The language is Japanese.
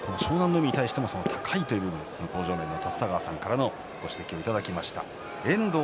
海に対しても高いという向正面の立田川さんからご指摘をいただきました。